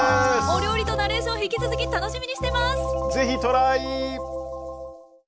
お料理とナレーション引き続き楽しみにしてます！